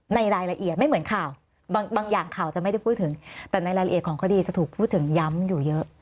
ในรายละเอียดไม่เหมือนข่าวบางอย่างข่าวจะไม่ได้พูดถึงแต่ในรายละเอียดของคดีจะถูกพูดถึงย้ำอยู่เยอะ